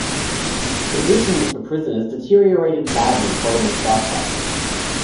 Conditions for prisoners deteriorated badly following staff cuts.